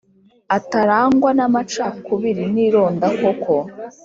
Atarangwa n amacakubiri n ironda koko